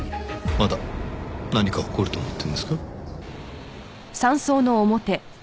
まだ何か起こると思ってるんですか？